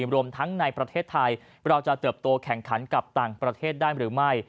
รวมทั้งในประเทศไทยเราจะเติบโตแข่งขันกับต่างประเทศได้หรือไม่